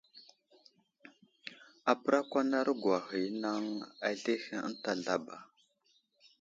Apərakwanarogwa ghay i anaŋ azlehe ənta zlaba.